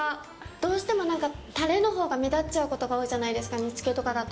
どうしても、なんかタレのほうが目立っちゃうことが多いじゃないですか煮つけとかだと。